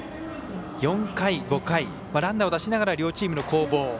４回、５回ランナーを出しながら両チームの攻防。